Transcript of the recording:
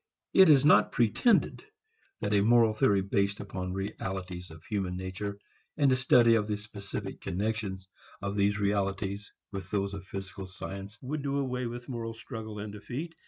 It is not pretended that a moral theory based upon realities of human nature and a study of the specific connections of these realities with those of physical science would do away with moral struggle and defeat.